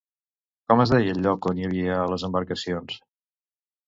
Com es deia el lloc on hi havia les embarcacions?